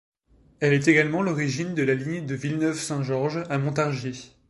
Elle est également l'origine de la ligne de Villeneuve-Saint-Georges à Montargis.